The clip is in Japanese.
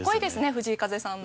藤井風さんの。